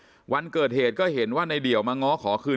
พี่สาวต้องเอาอาหารที่เหลืออยู่ในบ้านมาทำให้เจ้าหน้าที่เข้ามาช่วยเหลือ